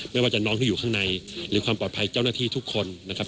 ไม่ว่าจะน้องที่อยู่ข้างในหรือความปลอดภัยเจ้าหน้าที่ทุกคนนะครับ